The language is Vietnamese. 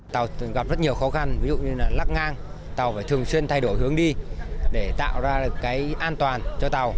tàu đã gặp rất nhiều khó khăn ví dụ như lắc ngang tàu phải thường xuyên thay đổi hướng đi để tạo ra an toàn cho tàu